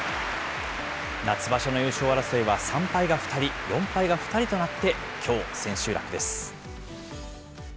夏場所の優勝争いは３敗が２人、４敗が２人となって、きょう、千秋楽です。